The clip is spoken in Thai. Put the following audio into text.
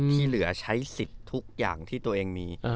ที่เหลือใช้สิทธิ์ทุกอย่างที่ตัวเองมี